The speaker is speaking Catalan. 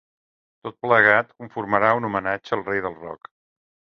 Tot plegat conformarà un homenatge al ‘rei del rock’.